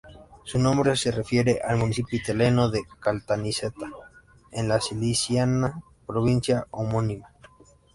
Su nombre se refiere al municipio italiano de Caltanissetta, en la siciliana provincia homónima.